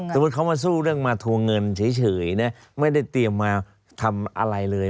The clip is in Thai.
สมมุติเขามาสู้เรื่องมาทวงเงินเฉยไม่ได้เตรียมมาทำอะไรเลย